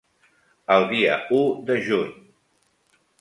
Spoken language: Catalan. El dia u de juny!